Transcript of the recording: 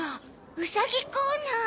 ウサギコーナー。